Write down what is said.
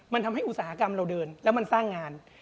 มันทำให้อุตสาหกรรมเราเดินแล้วมันสร้างงาน